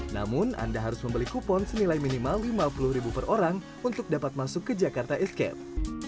namun anda harus membeli kupon senilai minimal lima puluh ribu per orang untuk dapat masuk ke jakarta escape